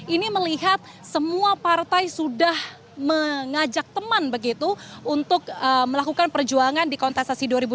ini melihat semua partai sudah mengajak teman begitu untuk melakukan perjuangan di kontestasi dua ribu dua puluh